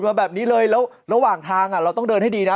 มาแบบนี้เลยแล้วระหว่างทางเราต้องเดินให้ดีนะ